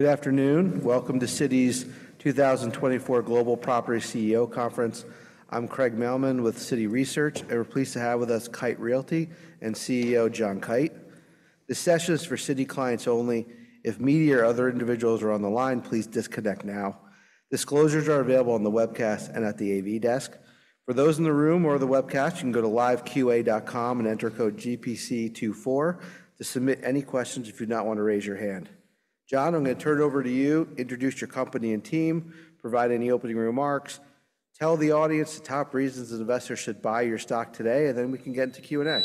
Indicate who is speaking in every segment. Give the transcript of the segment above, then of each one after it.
Speaker 1: Good afternoon. Welcome to Citi's 2024 Global Property CEO Conference. I'm Craig Mailman with Citi Research, and we're pleased to have with us Kite Realty Group CEO, John Kite. This session is for Citi clients only. If media or other individuals are on the line, please disconnect now. Disclosures are available on the webcast and at the AV desk. For those in the room or the webcast, you can go to liveqa.com and enter code GPC24 to submit any questions if you do not want to raise your hand. John, I'm going to turn it over to you. Introduce your company and team, provide any opening remarks, tell the audience the top reasons investors should buy your stock today, and then we can get into Q&A.
Speaker 2: Kite,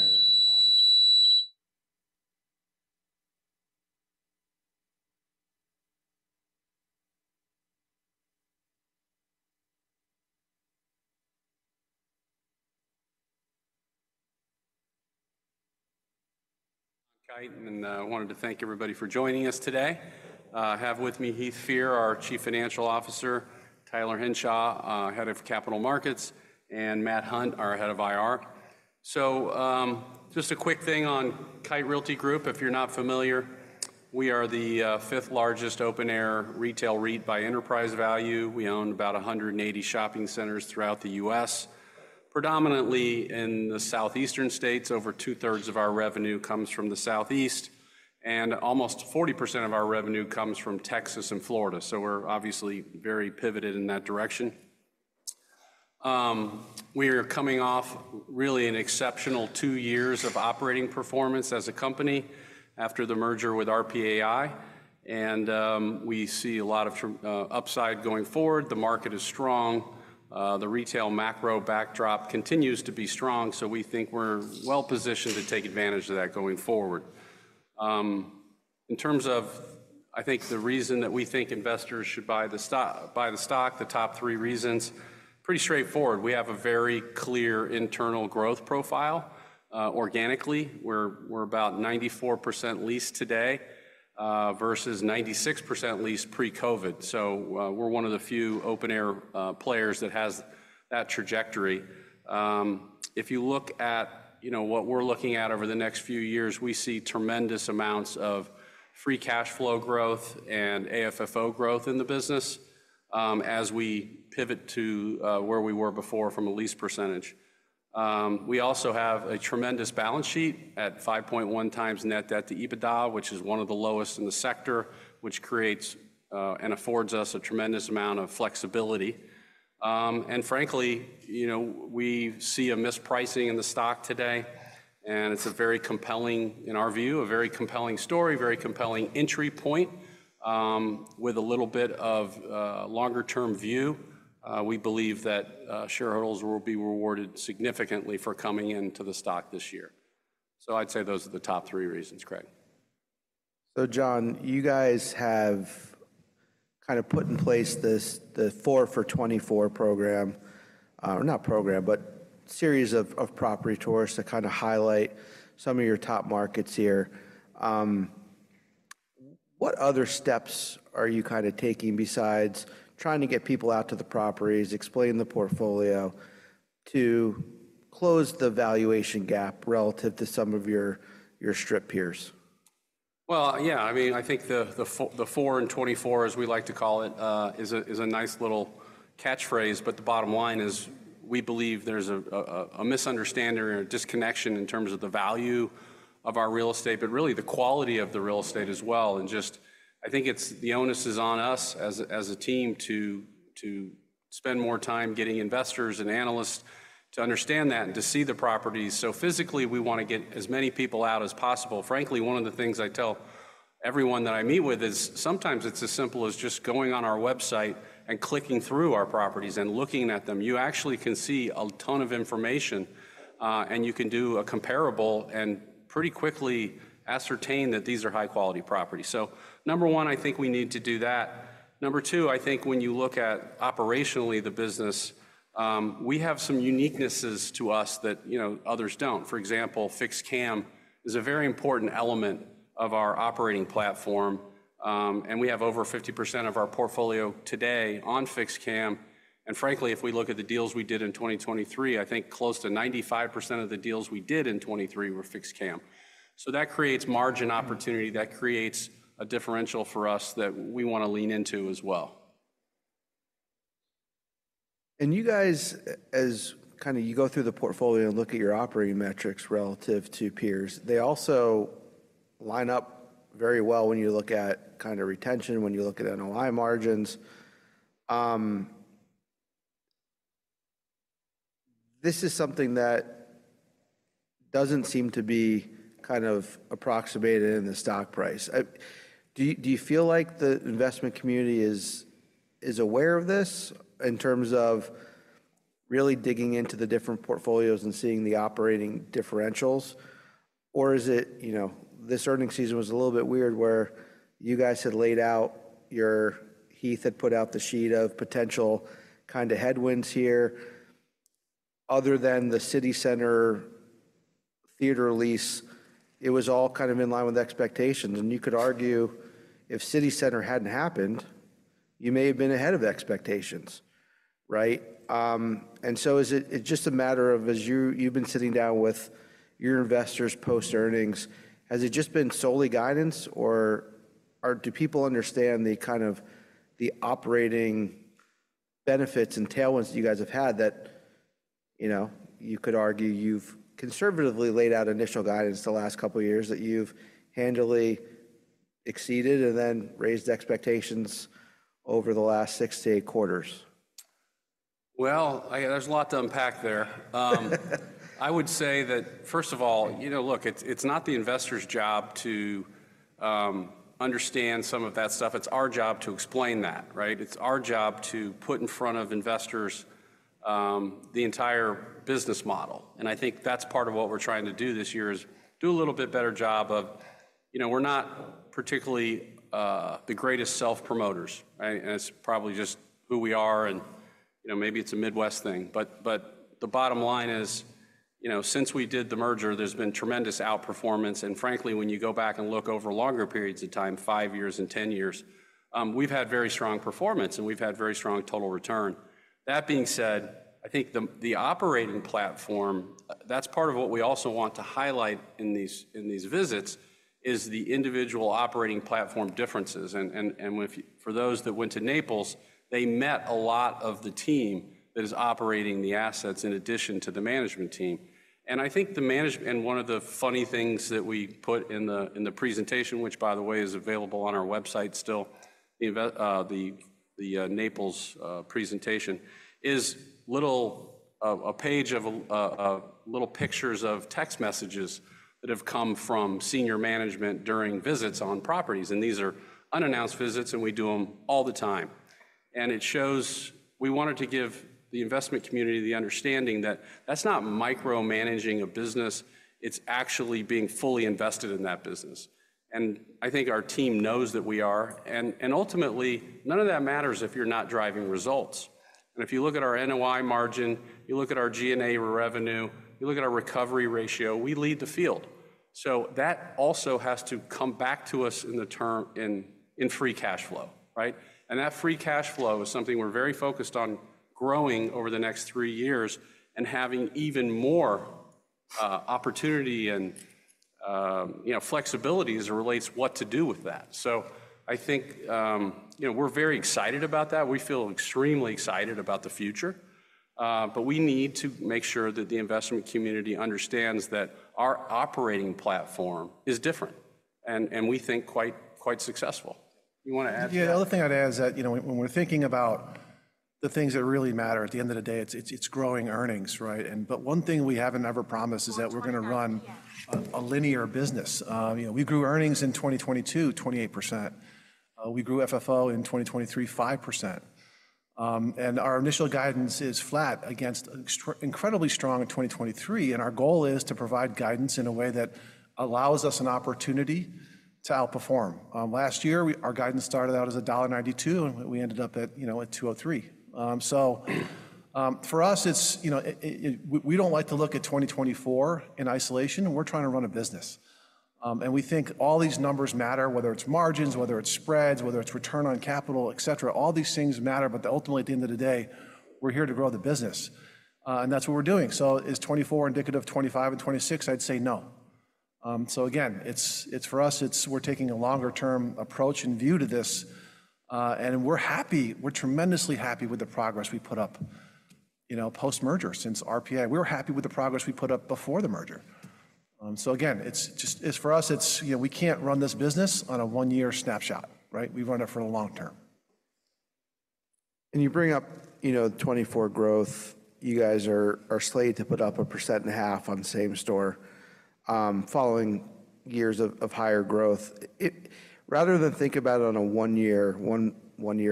Speaker 2: and I wanted to thank everybody for joining us today. I have with me Heath Fear, our Chief Financial Officer, Tyler Henshaw, Head of Capital Markets, and Matt Hunt, our Head of IR. So, just a quick thing on Kite Realty Group. If you're not familiar, we are the fifth-largest open-air retail REIT by enterprise value. We own about 180 shopping centers throughout the U.S., predominantly in the southeastern states. Over two-thirds of our revenue comes from the Southeast, and almost 40% of our revenue comes from Texas and Florida, so we're obviously very pivoted in that direction. We are coming off really an exceptional two years of operating performance as a company after the merger with RPAI, and we see a lot of upside going forward. The market is strong. The retail macro backdrop continues to be strong, so we think we're well-positioned to take advantage of that going forward. In terms of, I think, the reason that we think investors should buy the stock, the top three reasons, pretty straightforward. We have a very clear internal growth profile. Organically, we're about 94% leased today, versus 96% leased pre-COVID. So, we're one of the few open-air players that has that trajectory. If you look at, you know, what we're looking at over the next few years, we see tremendous amounts of free cash flow growth and AFFO growth in the business, as we pivot to where we were before from a lease percentage. We also have a tremendous balance sheet at 5.1x net debt to EBITDA, which is one of the lowest in the sector, which creates and affords us a tremendous amount of flexibility. And frankly, you know, we see a mispricing in the stock today, and it's a very compelling, in our view, a very compelling story, very compelling entry point. With a little bit of longer-term view, we believe that shareholders will be rewarded significantly for coming into the stock this year. So I'd say those are the top three reasons, Craig.
Speaker 1: So John, you guys have kind of put in place this, the 4 for '24 program, not program, but series of property tours to kind of highlight some of your top markets here. What other steps are you kind of taking besides trying to get people out to the properties, explain the portfolio, to close the valuation gap relative to some of your strip peers?
Speaker 2: Well, yeah, I mean, I think the 4 for '24, as we like to call it, is a nice little catchphrase, but the bottom line is we believe there's a misunderstanding or a disconnection in terms of the value of our real estate, but really the quality of the real estate as well. And just I think it's the onus is on us as a team to spend more time getting investors and analysts to understand that and to see the properties. So physically, we want to get as many people out as possible. Frankly, one of the things I tell everyone that I meet with is sometimes it's as simple as just going on our website and clicking through our properties and looking at them. You actually can see a ton of information, and you can do a comparable and pretty quickly ascertain that these are high-quality properties. So number one, I think we need to do that. Number two, I think when you look at operationally the business, we have some uniquenesses to us that, you know, others don't. For example, fixed CAM is a very important element of our operating platform, and we have over 50% of our portfolio today on fixed CAM. And frankly, if we look at the deals we did in 2023, I think close to 95% of the deals we did in 2023 were fixed CAM. So that creates margin opportunity, that creates a differential for us that we want to lean into as well.
Speaker 1: And you guys, as kind of you go through the portfolio and look at your operating metrics relative to peers, they also line up very well when you look at kind of retention, when you look at NOI margins. This is something that doesn't seem to be kind of approximated in the stock price. Do you, do you feel like the investment community is, is aware of this in terms of really digging into the different portfolios and seeing the operating differentials? Or is it, you know, this earnings season was a little bit weird, where you guys had laid out your... Heath had put out the sheet of potential kind of headwinds here. Other than the City Center theater lease, it was all kind of in line with expectations, and you could argue if City Center hadn't happened... you may have been ahead of expectations, right? So is it just a matter of as you've been sitting down with your investors post-earnings, has it just been solely guidance, or do people understand the kind of operating benefits and tailwinds that you guys have had that, you know, you could argue you've conservatively laid out initial guidance the last couple of years, that you've handily exceeded and then raised expectations over the last 6-8 quarters?
Speaker 2: Well, I guess there's a lot to unpack there. I would say that, first of all, you know, look, it's, it's not the investor's job to understand some of that stuff. It's our job to explain that, right? It's our job to put in front of investors the entire business model. And I think that's part of what we're trying to do this year, is do a little bit better job of... You know, we're not particularly the greatest self-promoters, right? And it's probably just who we are and, you know, maybe it's a Midwest thing. But, but the bottom line is, you know, since we did the merger, there's been tremendous outperformance. And frankly, when you go back and look over longer periods of time, 5 years and 10 years, we've had very strong performance, and we've had very strong total return. That being said, I think the operating platform that's part of what we also want to highlight in these visits is the individual operating platform differences. And for those that went to Naples, they met a lot of the team that is operating the assets in addition to the management team. And I think the management. And one of the funny things that we put in the presentation, which, by the way, is available on our website still, the Naples presentation, is a page of little pictures of text messages that have come from senior management during visits on properties, and these are unannounced visits, and we do them all the time. And it shows we wanted to give the investment community the understanding that that's not micromanaging a business, it's actually being fully invested in that business, and I think our team knows that we are. And ultimately, none of that matters if you're not driving results. And if you look at our NOI margin, you look at our G&A revenue, you look at our recovery ratio, we lead the field. So that also has to come back to us in the term, in free cash flow, right? And that free cash flow is something we're very focused on growing over the next three years and having even more opportunity and, you know, flexibility as it relates what to do with that. So I think, you know, we're very excited about that. We feel extremely excited about the future, but we need to make sure that the investment community understands that our operating platform is different, and we think quite successful. You want to add to that?
Speaker 3: Yeah, the other thing I'd add is that, you know, when we're thinking about the things that really matter, at the end of the day, it's growing earnings, right? But one thing we haven't ever promised is that we're going to run a linear business. You know, we grew earnings in 2022, 28%. We grew FFO in 2023, 5%. And our initial guidance is flat against incredibly strong in 2023, and our goal is to provide guidance in a way that allows us an opportunity to outperform. Last year, our guidance started out as $1.92, and we ended up at, you know, at $2.03. So, for us, it's, you know, it we don't like to look at 2024 in isolation, and we're trying to run a business. And we think all these numbers matter, whether it's margins, whether it's spreads, whether it's return on capital, et cetera. All these things matter, but ultimately, at the end of the day, we're here to grow the business, and that's what we're doing. So is 2024 indicative of 2025 and 2026? I'd say no. So again, it's, for us, it's we're taking a longer-term approach and view to this, and we're happy. We're tremendously happy with the progress we put up, you know, post-merger since RPAI. We were happy with the progress we put up before the merger. So again, it's just, it's for us, it's, you know, we can't run this business on a one-year snapshot, right? We run it for the long term.
Speaker 1: You bring up, you know, 2024 growth. You guys are slated to put up 1.5% on the same store following years of higher growth. Rather than think about it on a one year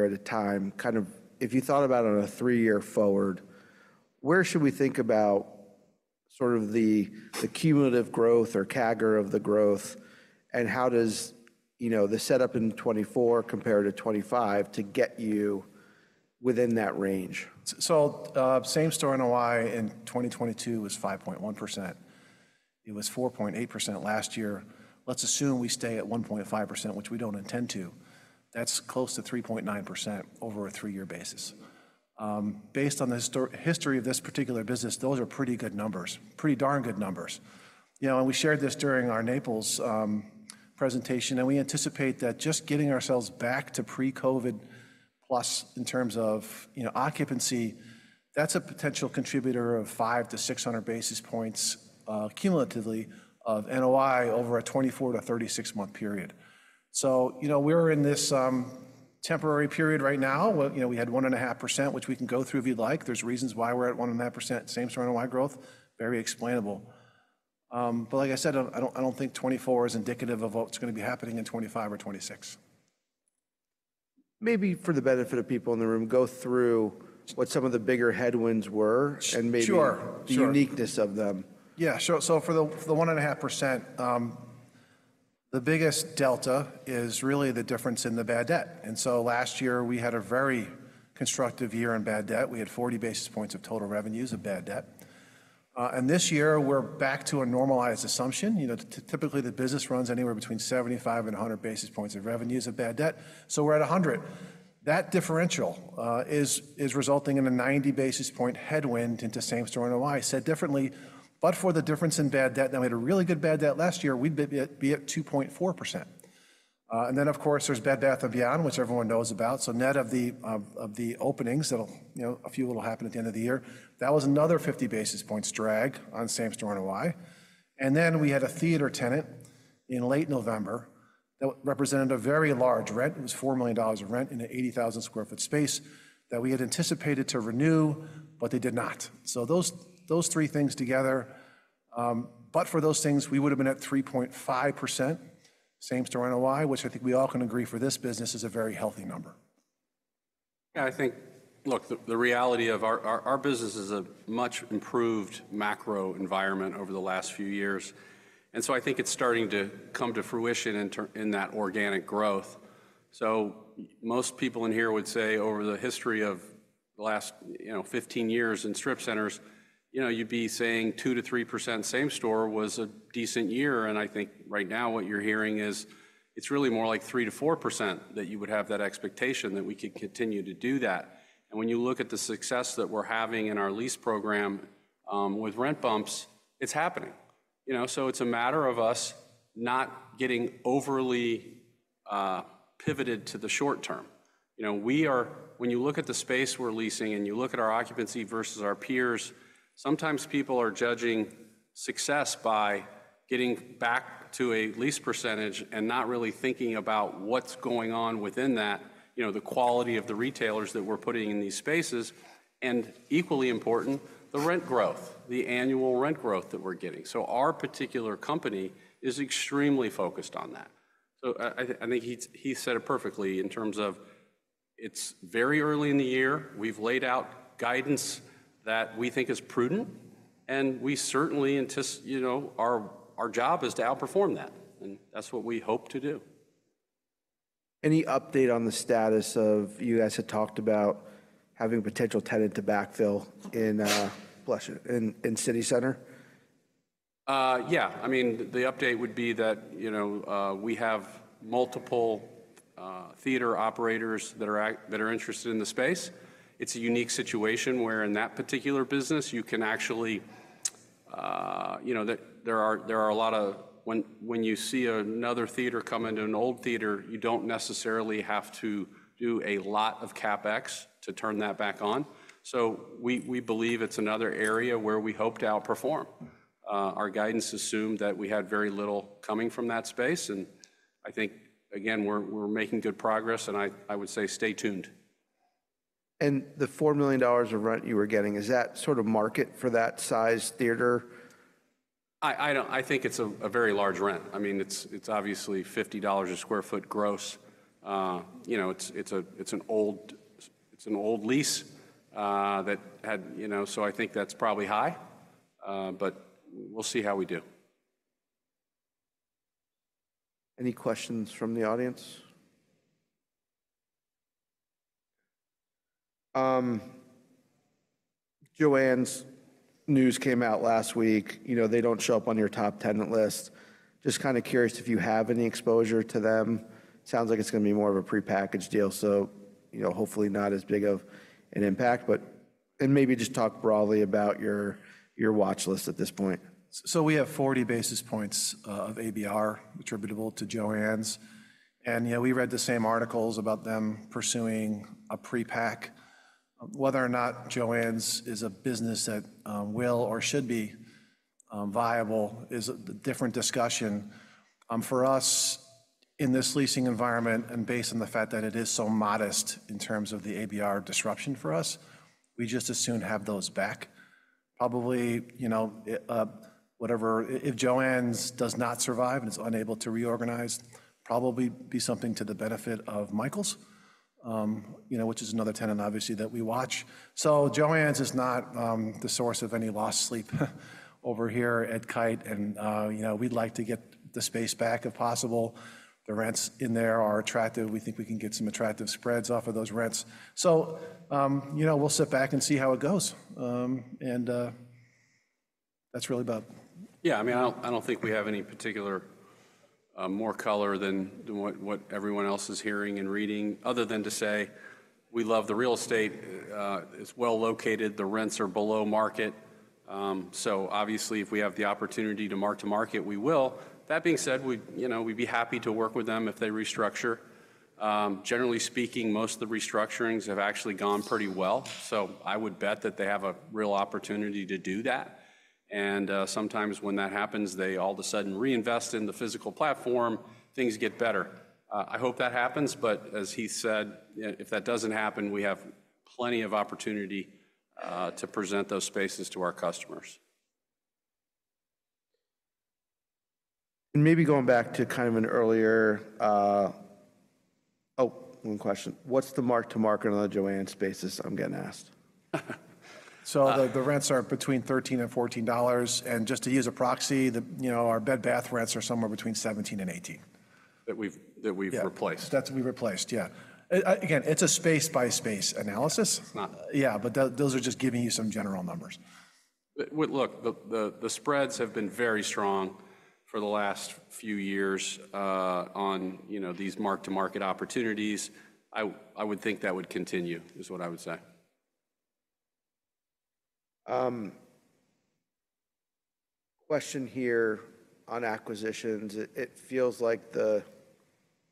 Speaker 1: at a time kind of, if you thought about it on a 3-year forward, where should we think about sort of the cumulative growth or CAGR of the growth, and how does, you know, the setup in 2024 compare to 2025 to get you within that range?
Speaker 3: So, same-store NOI in 2022 was 5.1%. It was 4.8% last year. Let's assume we stay at 1.5%, which we don't intend to. That's close to 3.9% over a three-year basis. Based on the history of this particular business, those are pretty good numbers. Pretty darn good numbers. You know, and we shared this during our Naples presentation, and we anticipate that just getting ourselves back to pre-COVID plus in terms of, you know, occupancy, that's a potential contributor of 500-600 basis points, cumulatively of NOI over a 24- to 36-month period. So, you know, we're in this temporary period right now, where, you know, we had 1.5%, which we can go through if you'd like. There's reasons why we're at 1.5% same store NOI growth, very explainable. But like I said, I don't think 2024 is indicative of what's going to be happening in 2025 or 2026.
Speaker 1: Maybe for the benefit of people in the room, go through what some of the bigger headwinds were-
Speaker 3: Sure, sure.
Speaker 1: and maybe the uniqueness of them.
Speaker 3: Yeah, sure. So for the, for the 1.5%, the biggest delta is really the difference in the bad debt. And so last year, we had a very constructive year in bad debt. We had 40 basis points of total revenues of bad debt, and this year, we're back to a normalized assumption. You know, typically, the business runs anywhere between 75 and 100 basis points of revenues of bad debt, so we're at a hundred. That differential is resulting in a 90 basis point headwind into same-store NOI. Said differently, but for the difference in bad debt, and we had a really good bad debt last year, we'd be at, be at 2.4%. And then, of course, there's Bed Bath & Beyond, which everyone knows about. So net of the openings, that'll, you know, a few of will happen at the end of the year, that was another 50 basis points drag on same-store NOI. And then we had a theater tenant in late November that represented a very large rent. It was $4 million of rent in an 80,000-sq-ft space that we had anticipated to renew, but they did not. So those, those three things together, but for those things, we would've been at 3.5% same-store NOI, which I think we all can agree for this business is a very healthy number.
Speaker 2: Yeah, I think, look, the reality of our business is a much improved macro environment over the last few years, and so I think it's starting to come to fruition in that organic growth. So most people in here would say over the history of the last 15 years in strip centers, you know, you'd be saying 2%-3% same store was a decent year, and I think right now what you're hearing is it's really more like 3%-4% that you would have that expectation that we could continue to do that. And when you look at the success that we're having in our lease program with rent bumps, it's happening. You know, so it's a matter of us not getting overly pivoted to the short term. You know, we are, when you look at the space we're leasing and you look at our occupancy versus our peers, sometimes people are judging success by getting back to a lease percentage and not really thinking about what's going on within that, you know, the quality of the retailers that we're putting in these spaces, and equally important, the rent growth, the annual rent growth that we're getting. So our particular company is extremely focused on that. So I think he said it perfectly in terms of it's very early in the year, we've laid out guidance that we think is prudent, and we certainly anticip-, you know, our job is to outperform that, and that's what we hope to do. Any update on the status of... you guys had talked about having a potential tenant to backfill in, bless you, in City Center? Yeah, I mean, the update would be that, you know, we have multiple theater operators that are interested in the space. It's a unique situation where in that particular business you can actually, you know, there are a lot of when you see another theater come into an old theater, you don't necessarily have to do a lot of CapEx to turn that back on. So we believe it's another area where we hope to outperform. Our guidance assumed that we had very little coming from that space, and I think, again, we're making good progress, and I would say stay tuned.
Speaker 1: The $4 million of rent you were getting, is that sort of market for that size theater?
Speaker 2: I don't think it's a very large rent. I mean, it's obviously $50 a sq ft gross. You know, it's an old lease that had, you know. So I think that's probably high, but we'll see how we do.
Speaker 1: Any questions from the audience? JOANN's news came out last week. You know, they don't show up on your top tenant list. Just kind of curious if you have any exposure to them. Sounds like it's gonna be more of a prepackaged deal, so, you know, hopefully not as big of an impact. But... and maybe just talk broadly about your, your watchlist at this point.
Speaker 3: So we have 40 basis points of ABR attributable to JOANN's, and, you know, we read the same articles about them pursuing a pre-pack. Whether or not JOANN's is a business that will or should be viable is a different discussion. For us, in this leasing environment and based on the fact that it is so modest in terms of the ABR disruption for us, we'd just as soon have those back. Probably, you know, whatever—if JOANN's does not survive and is unable to reorganize, probably be something to the benefit of Michaels, you know, which is another tenant, obviously, that we watch. So JOANN's is not the source of any lost sleep over here at Kite, and, you know, we'd like to get the space back if possible. The rents in there are attractive. We think we can get some attractive spreads off of those rents. So, you know, we'll sit back and see how it goes. And that's really about-
Speaker 2: Yeah, I mean, I don't think we have any particular more color than what everyone else is hearing and reading, other than to say we love the real estate. It's well-located, the rents are below market, so obviously, if we have the opportunity to mark-to-market, we will. That being said, we'd, you know, we'd be happy to work with them if they restructure. Generally speaking, most of the restructurings have actually gone pretty well, so I would bet that they have a real opportunity to do that. And, sometimes when that happens, they all of a sudden reinvest in the physical platform, things get better. I hope that happens, but as he said, you know, if that doesn't happen, we have plenty of opportunity to present those spaces to our customers.
Speaker 1: Maybe going back to kind of an earlier. Oh, one question: What's the mark-to-market on the JOANN spaces? I'm getting asked.
Speaker 3: So the rents are between $13 and $14, and just to use a proxy, you know, our Bed Bath rents are somewhere between $17 and $18....
Speaker 2: that we've replaced?
Speaker 3: Yeah, that we've replaced, yeah. Again, it's a space-by-space analysis.
Speaker 2: It's not-
Speaker 3: Yeah, but those are just giving you some general numbers.
Speaker 2: Well, look, the spreads have been very strong for the last few years, on, you know, these Mark-to-Market opportunities. I would think that would continue, is what I would say.
Speaker 1: Question here on acquisitions. It feels like the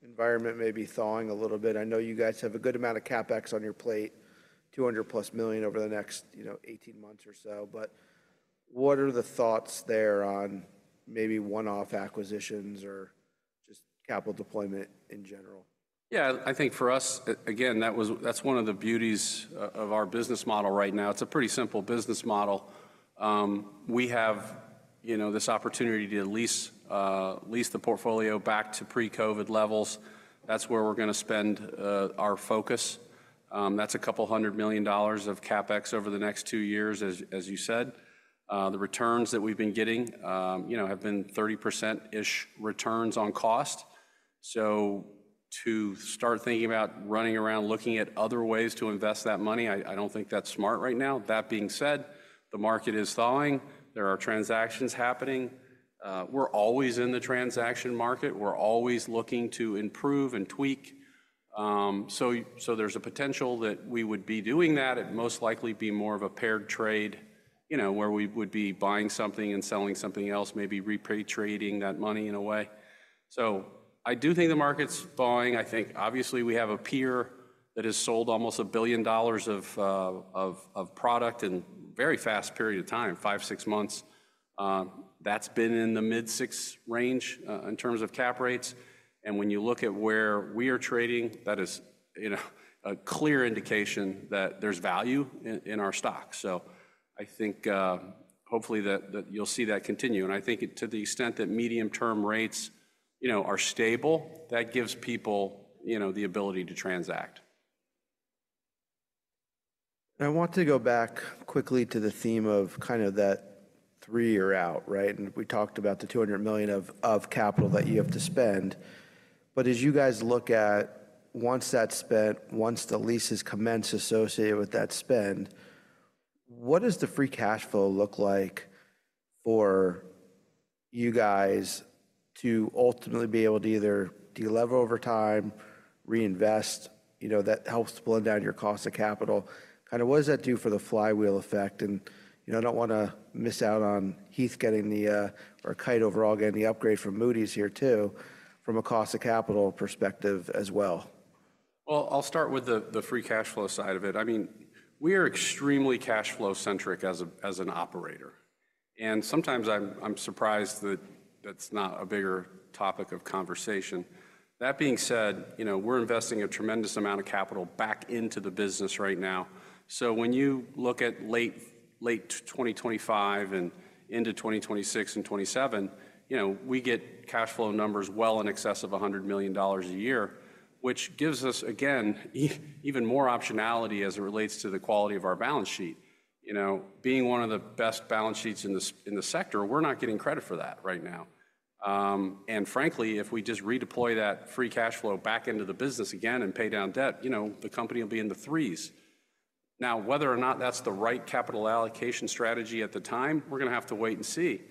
Speaker 1: environment may be thawing a little bit. I know you guys have a good amount of CapEx on your plate, $200+ million over the next, you know, 18 months or so. But what are the thoughts there on maybe one-off acquisitions or just capital deployment in general?
Speaker 2: Yeah, I think for us, again, that was. That's one of the beauties of our business model right now. It's a pretty simple business model. We have, you know, this opportunity to lease the portfolio back to pre-COVID levels. That's where we're gonna spend our focus. That's $200 million of CapEx over the next 2 years, as you said. The returns that we've been getting, you know, have been 30%-ish returns on cost. So to start thinking about running around, looking at other ways to invest that money, I don't think that's smart right now. That being said, the market is thawing. There are transactions happening. We're always in the transaction market. We're always looking to improve and tweak. So there's a potential that we would be doing that. It'd most likely be more of a paired trade, you know, where we would be buying something and selling something else, maybe repatriating that money in a way. So I do think the market's thawing. I think obviously, we have a peer that has sold almost $1 billion of product in a very fast period of time, five, six months. That's been in the mid six range in terms of cap rates, and when you look at where we are trading, that is, you know, a clear indication that there's value in our stock. So I think, hopefully that you'll see that continue, and I think it to the extent that medium-term rates, you know, are stable, that gives people, you know, the ability to transact.
Speaker 1: I want to go back quickly to the theme of kind of that three-year out, right? And we talked about the $200 million of capital that you have to spend. But as you guys look at once that's spent, once the leases commence associated with that spend, what does the free cash flow look like for you guys to ultimately be able to either de-lever over time, reinvest, you know, that helps to blend down your cost of capital? Kind of what does that do for the flywheel effect? And, you know, I don't wanna miss out on Heath getting the, or Kite overall, getting the upgrade from Moody's here, too, from a cost of capital perspective as well.
Speaker 2: Well, I'll start with the free cash flow side of it. I mean, we are extremely cash flow centric as an operator, and sometimes I'm surprised that that's not a bigger topic of conversation. That being said, you know, we're investing a tremendous amount of capital back into the business right now. So when you look at late 2025 and into 2026 and 2027, you know, we get cash flow numbers well in excess of $100 million a year, which gives us, again, even more optionality as it relates to the quality of our balance sheet. You know, being one of the best balance sheets in the sector, we're not getting credit for that right now. And frankly, if we just redeploy that free cash flow back into the business again and pay down debt, you know, the company will be in the threes. Now, whether or not that's the right capital allocation strategy at the time, we're gonna have to wait and see,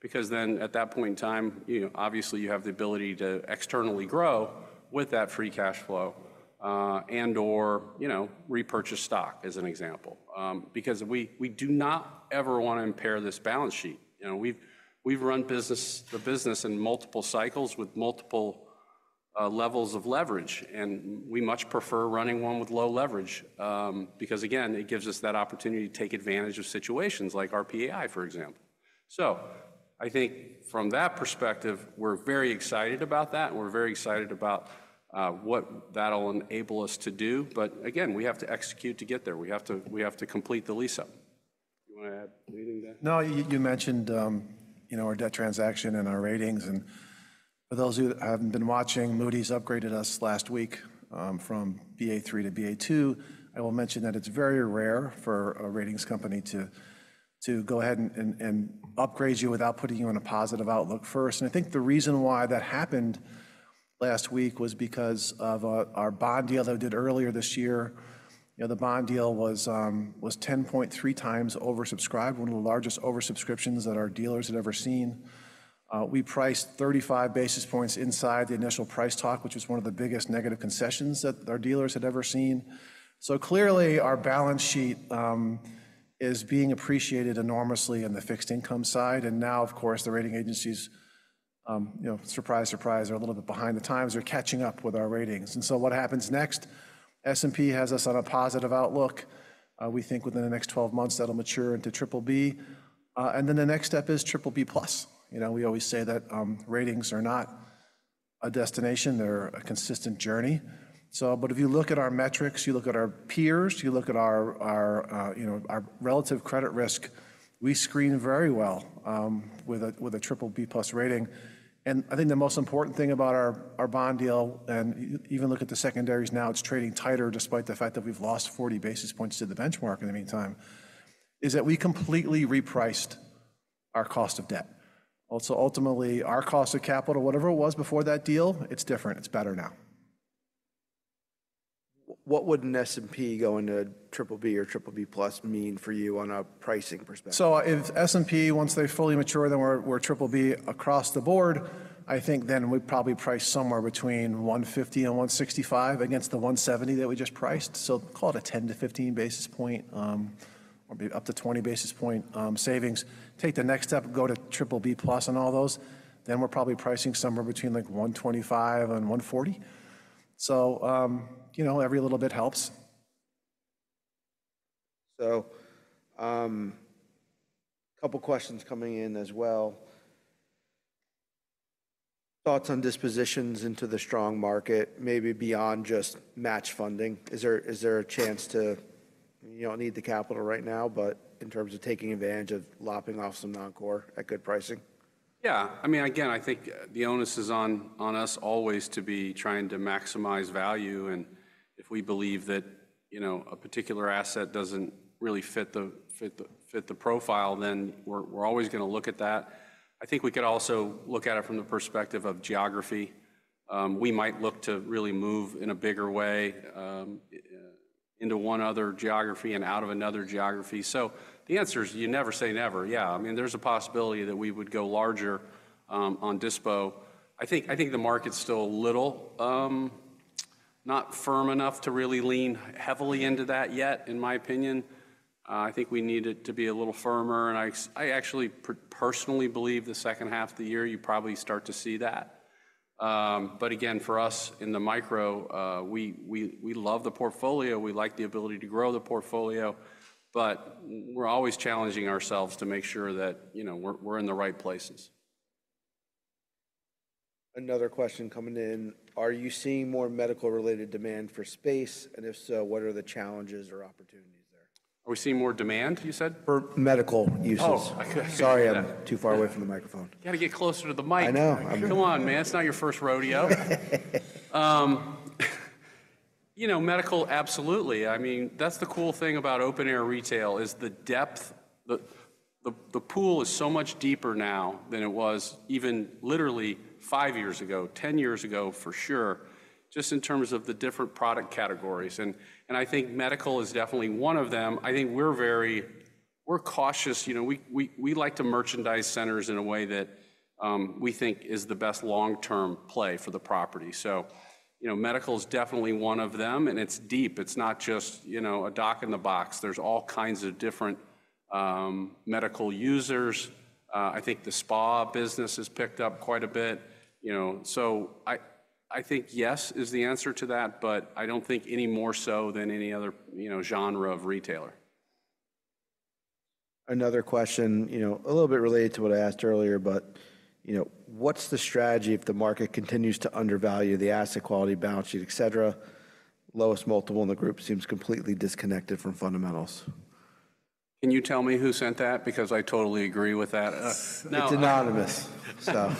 Speaker 2: because then at that point in time, you know, obviously, you have the ability to externally grow with that free cash flow, and/or, you know, repurchase stock as an example. Because we do not ever wanna impair this balance sheet. You know, we've run the business in multiple cycles with multiple levels of leverage, and we much prefer running one with low leverage, because, again, it gives us that opportunity to take advantage of situations like RPAI, for example. So I think from that perspective, we're very excited about that, and we're very excited about what that'll enable us to do. But again, we have to execute to get there. We have to, we have to complete the lease-up. You wanna add anything to that?
Speaker 3: No, you mentioned, you know, our debt transaction and our ratings, and for those who haven't been watching, Moody's upgraded us last week from Ba3 to Ba2. I will mention that it's very rare for a ratings company to go ahead and upgrade you without putting you on a positive outlook first. I think the reason why that happened last week was because of our bond deal that we did earlier this year. You know, the bond deal was 10.3 times oversubscribed, one of the largest oversubscriptions that our dealers had ever seen. We priced 35 basis points inside the initial price talk, which was one of the biggest negative concessions that our dealers had ever seen. So clearly, our balance sheet is being appreciated enormously in the fixed income side, and now, of course, the rating agencies, you know, surprise, surprise, are a little bit behind the times. They're catching up with our ratings. And so what happens next? S&P has us on a positive outlook. We think within the next 12 months, that'll mature into triple B, and then the next step is triple B plus. You know, we always say that, ratings are not a destination, they're a consistent journey. So, but if you look at our metrics, you look at our peers, you look at our, our, you know, our relative credit risk, we screen very well, with a, with a triple B plus rating. And I think the most important thing about our bond deal, and even look at the secondaries now, it's trading tighter, despite the fact that we've lost 40 basis points to the benchmark in the meantime, is that we completely repriced our cost of debt. Also, ultimately, our cost of capital, whatever it was before that deal, it's different. It's better now.
Speaker 1: What would an S&P going to triple B or triple B plus mean for you on a pricing perspective?
Speaker 3: So if S&P, once they fully mature, then we're triple B across the board, I think then we'd probably price somewhere between 150 and 165 against the 170 that we just priced. So call it a 10-15 basis point, or up to 20 basis point, savings. Take the next step, go to triple B plus on all those, then we're probably pricing somewhere between, like, 125 and 140. So, you know, every little bit helps.
Speaker 1: A couple questions coming in as well. Thoughts on dispositions into the strong market, maybe beyond just match funding. Is there a chance to—you don't need the capital right now, but in terms of taking advantage of lopping off some non-core at good pricing?
Speaker 2: Yeah, I mean, again, I think the onus is on us always to be trying to maximize value, and if we believe that, you know, a particular asset doesn't really fit the profile, then we're always going to look at that. I think we could also look at it from the perspective of geography. We might look to really move in a bigger way into one other geography and out of another geography. So the answer is, you never say never. Yeah, I mean, there's a possibility that we would go larger on dispo. I think the market's still a little not firm enough to really lean heavily into that yet, in my opinion. I think we need it to be a little firmer, and I actually personally believe the second half of the year, you probably start to see that. But again, for us in the micro, we love the portfolio. We like the ability to grow the portfolio, but we're always challenging ourselves to make sure that, you know, we're in the right places.
Speaker 1: Another question coming in: Are you seeing more medical-related demand for space, and if so, what are the challenges or opportunities there?
Speaker 2: Are we seeing more demand, you said?
Speaker 1: For medical uses.
Speaker 2: Oh, okay.
Speaker 1: Sorry, I'm too far away from the microphone.
Speaker 2: You got to get closer to the mic.
Speaker 1: I know.
Speaker 2: Come on, man. It's not your first rodeo. You know, medical, absolutely. I mean, that's the cool thing about open-air retail is the depth. The pool is so much deeper now than it was even literally 5 years ago, 10 years ago, for sure, just in terms of the different product categories. And I think medical is definitely one of them. I think we're very cautious. You know, we like to merchandise centers in a way that we think is the best long-term play for the property. So, you know, medical is definitely one of them, and it's deep. It's not just, you know, a doc in the box. There's all kinds of different medical users. I think the spa business has picked up quite a bit, you know. So I think yes is the answer to that, but I don't think any more so than any other, you know, genre of retailer.
Speaker 1: Another question, you know, a little bit related to what I asked earlier, but, you know, what's the strategy if the market continues to undervalue the asset quality, balance sheet, et cetera? Lowest multiple in the group seems completely disconnected from fundamentals.
Speaker 2: Can you tell me who sent that? Because I totally agree with that.
Speaker 1: It's anonymous, so...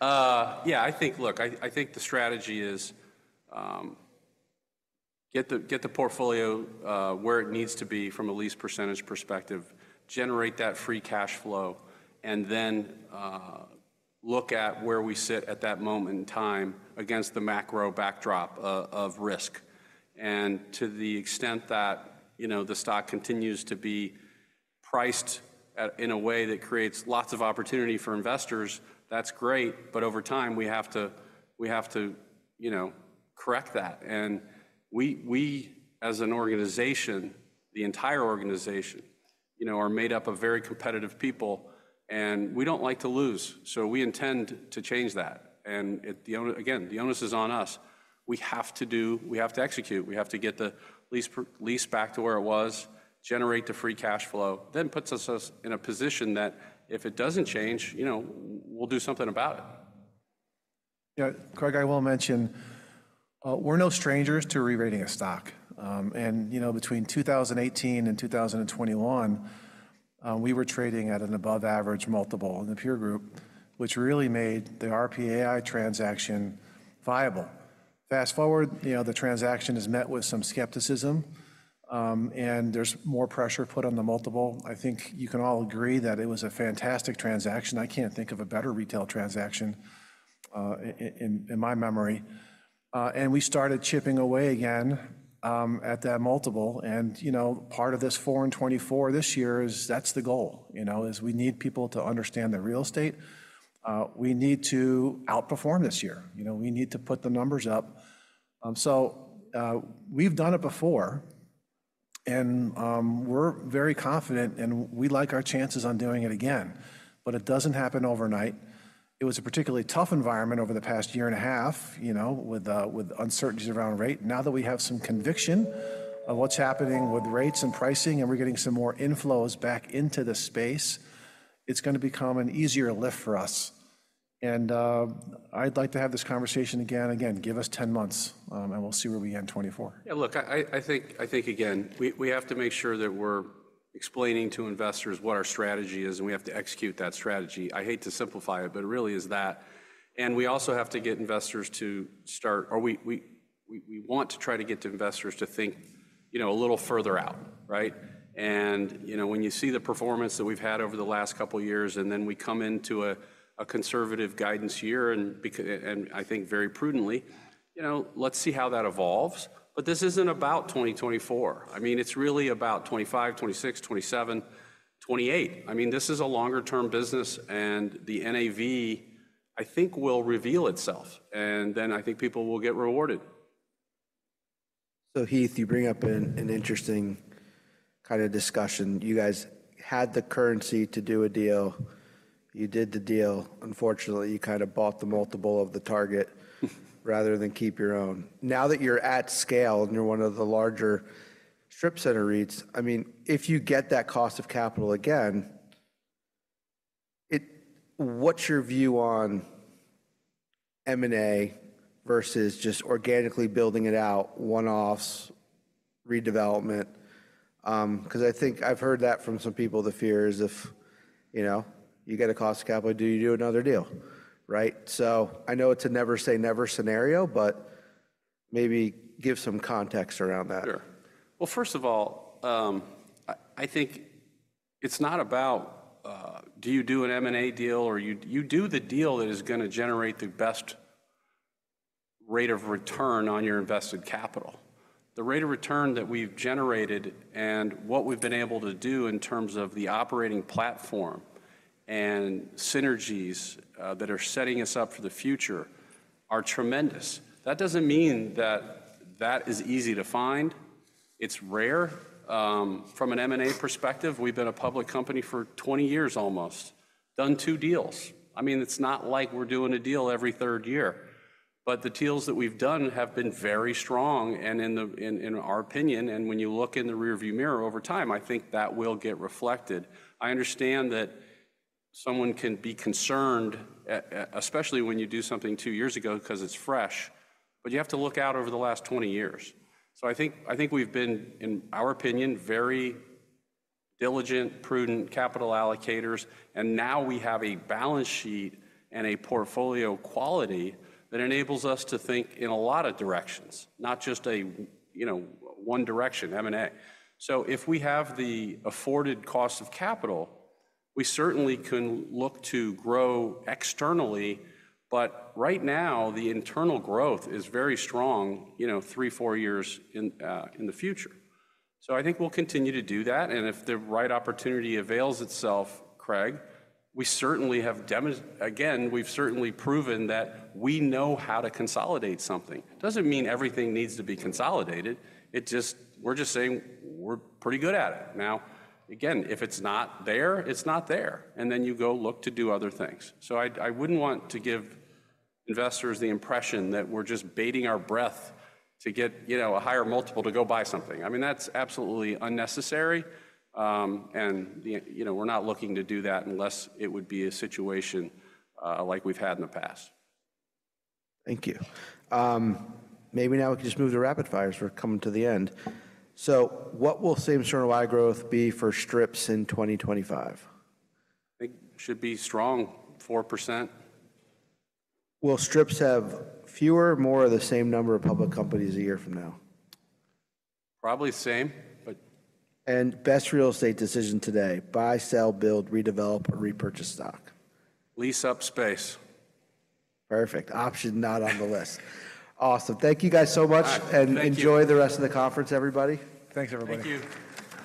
Speaker 2: Yeah, I think—Look, I think the strategy is, get the, get the portfolio where it needs to be from a lease percentage perspective, generate that free cash flow, and then look at where we sit at that moment in time against the macro backdrop of risk. And to the extent that, you know, the stock continues to be priced at, in a way that creates lots of opportunity for investors, that's great, but over time, we have to, we have to, you know, correct that. And we, we, as an organization, the entire organization, you know, are made up of very competitive people, and we don't like to lose, so we intend to change that. And again, the onus is on us. We have to do, we have to execute. We have to get the lease back to where it was, generate the free cash flow. Then it puts us in a position that if it doesn't change, you know, we'll do something about it.
Speaker 3: Yeah, Craig, I will mention, we're no strangers to rerating a stock. And, you know, between 2018 and 2021, we were trading at an above-average multiple in the peer group, which really made the RPAI transaction viable. Fast forward, you know, the transaction is met with some skepticism, and there's more pressure put on the multiple. I think you can all agree that it was a fantastic transaction. I can't think of a better retail transaction, in my memory. And we started chipping away again, at that multiple, and, you know, part of this Four for Twenty-four this year is that's the goal, you know, is we need people to understand the real estate. We need to outperform this year. You know, we need to put the numbers up. So, we've done it before, and we're very confident, and we like our chances on doing it again, but it doesn't happen overnight. It was a particularly tough environment over the past year and a half, you know, with uncertainties around rate. Now that we have some conviction of what's happening with rates and pricing and we're getting some more inflows back into the space, it's going to become an easier lift for us. And I'd like to have this conversation again. Again, give us 10 months, and we'll see where we end 2024.
Speaker 2: Yeah, look, I think, again, we have to make sure that we're explaining to investors what our strategy is, and we have to execute that strategy. I hate to simplify it, but it really is that. And we also have to get investors to start... Or we want to try to get the investors to think... you know, a little further out, right? And, you know, when you see the performance that we've had over the last couple of years, and then we come into a conservative guidance year, and I think very prudently, you know, let's see how that evolves. But this isn't about 2024. I mean, it's really about 2025, 2026, 2027, 2028. I mean, this is a longer-term business, and the NAV, I think, will reveal itself, and then I think people will get rewarded.
Speaker 1: So Heath, you bring up an interesting kind of discussion. You guys had the currency to do a deal. You did the deal. Unfortunately, you kind of bought the multiple of the target, rather than keep your own. Now that you're at scale, and you're one of the larger strip center REITs, I mean, if you get that cost of capital again, it, what's your view on M&A versus just organically building it out, one-offs, redevelopment? Because I think I've heard that from some people, the fear is if, you know, you get a cost of capital, do you do another deal, right? So I know it's a never-say-never scenario, but maybe give some context around that.
Speaker 2: Sure. Well, first of all, I think it's not about do you do an M&A deal or you... You do the deal that is going to generate the best rate of return on your invested capital. The rate of return that we've generated and what we've been able to do in terms of the operating platform and synergies that are setting us up for the future are tremendous. That doesn't mean that that is easy to find. It's rare. From an M&A perspective, we've been a public company for 20 years, almost. Done 2 deals. I mean, it's not like we're doing a deal every third year, but the deals that we've done have been very strong and in our opinion, and when you look in the rearview mirror over time, I think that will get reflected. I understand that someone can be concerned, especially when you do something 2 years ago, because it's fresh, but you have to look out over the last 20 years. So I think, I think we've been, in our opinion, very diligent, prudent capital allocators, and now we have a balance sheet and a portfolio quality that enables us to think in a lot of directions, not just a, you know, one direction, M&A. So if we have the afforded cost of capital, we certainly can look to grow externally, but right now, the internal growth is very strong, you know, 3, 4 years in, in the future. So I think we'll continue to do that, and if the right opportunity avails itself, Craig, we certainly have demos-- again, we've certainly proven that we know how to consolidate something. Doesn't mean everything needs to be consolidated, it just—we're just saying we're pretty good at it. Now, again, if it's not there, it's not there, and then you go look to do other things. So I'd, I wouldn't want to give investors the impression that we're just bated our breath to get, you know, a higher multiple to go buy something. I mean, that's absolutely unnecessary, and, you know, we're not looking to do that unless it would be a situation like we've had in the past.
Speaker 1: Thank you. Maybe now we can just move to rapid fire, as we're coming to the end. So what will same store wide growth be for strips in 2025?
Speaker 2: I think should be strong, 4%.
Speaker 1: Will strips have fewer, more, or the same number of public companies a year from now?
Speaker 2: Probably the same, but-
Speaker 1: Best real estate decision today: buy, sell, build, redevelop, or repurchase stock?
Speaker 2: Lease up space.
Speaker 1: Perfect. Option not on the list. Awesome. Thank you guys so much-
Speaker 2: All right. Thank you.
Speaker 1: And enjoy the rest of the conference, everybody.
Speaker 3: Thanks, everybody.
Speaker 1: Thank you.